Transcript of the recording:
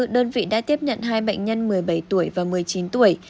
đơn vị đã tiếp nhận hai bệnh nhân một mươi bảy tuổi và một mươi chín tuổi